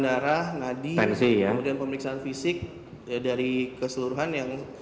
darah nadi tensi yang dan pemeriksaan fisik dari keseluruhan yang